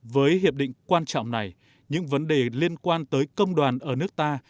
với hiệp định quan trọng này những vấn đề liên quan tới công đoàn ở nước ta